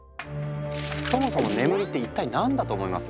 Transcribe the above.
そもそも眠りって一体何だと思います？